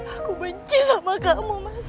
aku benci sama kamu mas